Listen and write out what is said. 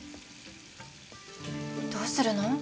どうするの？